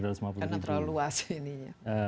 karena terlalu luas ini ya